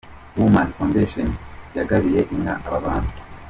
Women Foundation yagabiye inka aba bana.